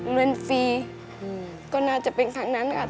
เรียนฟรีก็น่าจะเป็นครั้งนั้นค่ะ